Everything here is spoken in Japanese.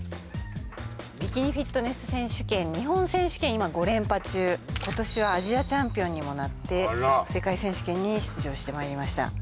ビキニフィットネス選手権日本選手権今５連覇中今年はアジアチャンピオンにもなって世界選手権に出場してまいりました